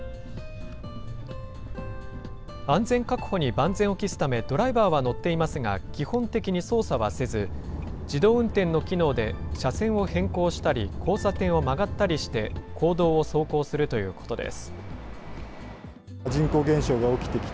安全確保に万全を期すため、ドライバーは乗っていますが、基本的に操作はせず、自動運転の機能で車線を変更したり、交差点を曲がったりして、公道を走行するということです。